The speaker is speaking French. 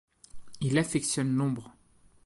Il affectionne l'ombre.